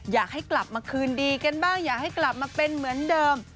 อยากให้กลับมาคืนดีกันบ้างอยากให้กลับมาเป็นเหมือนเดิม